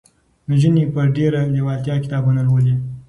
نجونې په ډېره لېوالتیا کتابونه لولي.